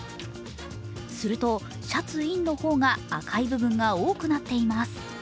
すると、シャツインの方が赤い部分が多くなっています。